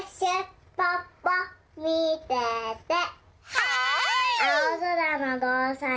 はい！